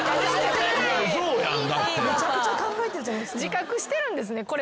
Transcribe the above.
自覚してるんですねこれ。